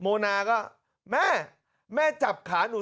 โมนาก็แม่แม่จับขาหนู